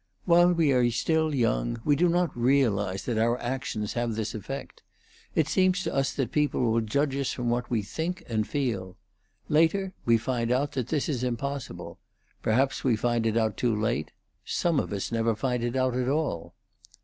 While we are still young we do not realize that our actions have this effect. It seems to us that people will judge us from what we think and feel. Later we find out that this is impossible; perhaps we find it out too late; some of us never find it out at all.